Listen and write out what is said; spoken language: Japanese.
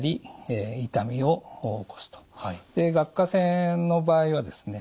で顎下腺の場合はですね